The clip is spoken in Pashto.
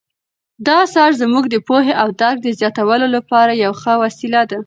دا اثر زموږ د پوهې او درک د زیاتولو لپاره یوه ښه وسیله ده.